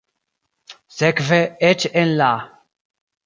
Sekve eĉ en la.